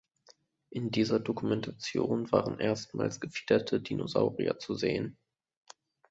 In dieser Dokumentation waren erstmals gefiederte Dinosaurier zu sehen.